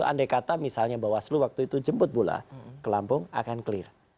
andai kata misalnya bawaslu waktu itu jemput bola ke lampung akan clear